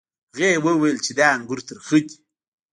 هغې وویل چې دا انګور ترخه دي.